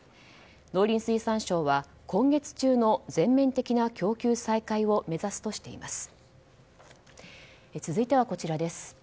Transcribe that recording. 農林水産省は今月中の全面的な供給再開を目指すとしています。